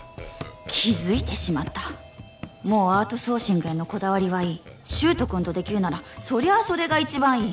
気づいてしまったもうアウトソーシングへのこだわりはいい柊人君とできるならそりゃあそれが一番いい